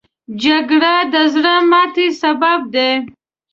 جګړه د زړه ماتې سبب ده